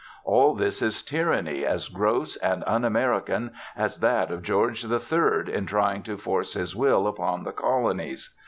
All this is tyranny as gross and un American as that of George the Third in trying to force his will upon the colonies.